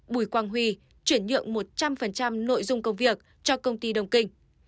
bùi quang huy chuyển nhượng một trăm linh nội dung công việc cho công ty đồng kinh